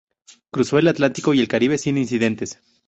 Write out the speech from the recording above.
Cruzó el Atlántico y el Caribe sin incidentes.